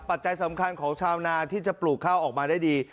ปัจจัยสำคัญของชาวนาที่จะปลูกข้าวออกมาได้ดี